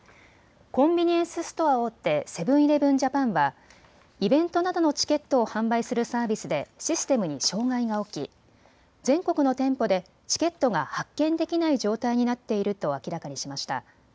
コンビニエンスストア大手、セブン‐イレブン・ジャパンはイベントなどのチケットを販売するサービスでシステムに障害が起き全国の店舗でチケットが発券できない状態になっていると明らかにしました。